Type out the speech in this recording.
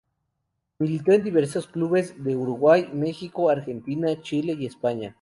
Militó en diversos clubes de Uruguay Mexico, Argentina, Chile y España.